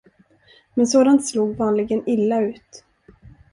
Men sådant slog vanligen illa ut.